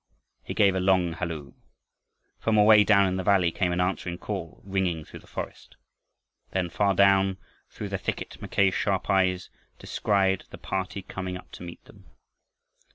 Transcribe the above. He gave a long halloo. From away down in the valley came an answering call, ringing through the forest. Then far down through the thicket Mackay's sharp eyes descried the party coming up to meet them.